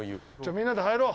みんなで入ろう！